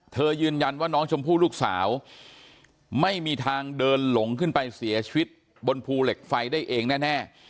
ยืนยันว่าน้องชมพู่ลูกสาวไม่มีทางเดินหลงขึ้นไปเสียชีวิตบนภูเหล็กไฟได้เองแน่